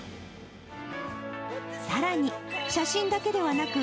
さらに写真だけではなく、